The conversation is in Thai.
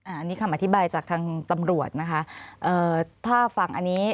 อันนี้คำอธิบายจากทางตำรวจนะคะเอ่อถ้าฟังอันนี้